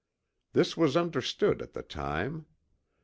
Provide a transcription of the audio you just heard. This was understood at the time.